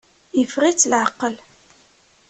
Yeffeɣ-itt leɛqel.